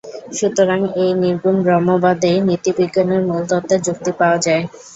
সুতরাং এই নির্গুণ ব্রহ্মবাদেই নীতিবিজ্ঞানের মূলতত্ত্বের যুক্তি পাওয়া যায়।